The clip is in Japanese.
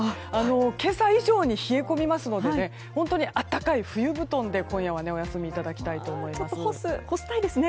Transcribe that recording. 今朝以上に冷え込みますので本当に暖かい冬布団で、今夜はお休みいただきたいと思います。